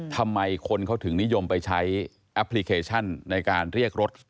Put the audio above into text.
ทำไมคนเขาถึงนิยมไปใช้แอปพลิเคชันในการเรียกรถ